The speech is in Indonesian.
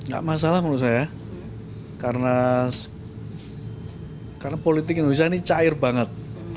gak masalah menurut saya karena politik indonesia ini cair banget